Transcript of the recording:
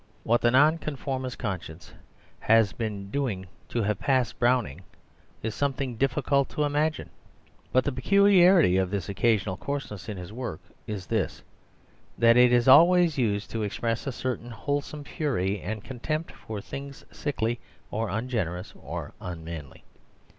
What the Non conformist conscience has been doing to have passed Browning is something difficult to imagine. But the peculiarity of this occasional coarseness in his work is this that it is always used to express a certain wholesome fury and contempt for things sickly, or ungenerous, or unmanly.